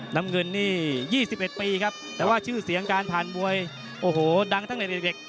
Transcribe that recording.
น้ำเงินนี่๒๑ปีครับแต่ว่าชื่อเสียงการผ่านมวยโอ้โหดังตั้งแต่เด็ก